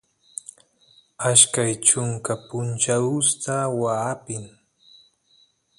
ashkay chunka punchawsta waa apin